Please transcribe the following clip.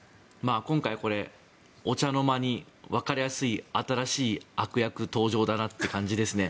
今回、これお茶の間にわかりやすい新しい悪役登場だなって感じですね。